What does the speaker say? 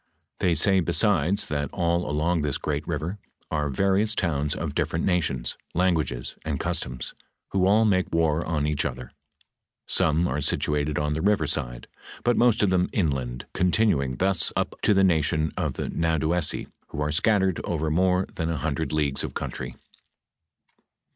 They say besides, that all along this great river are various towns of different nations, languages, and customs, who all make war on each other ; some are situated on the river side, but most of them inland, continuing thus up to the nation of the Nadouessi who are scattered over more than a hundred leagues of country."